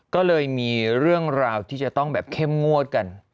ก็เลยมีเรื่องราวที่จะต้องแบบเข้มงวดกัน